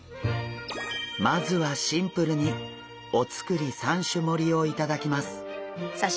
まずはシンプルにお造り３種盛りを頂きます。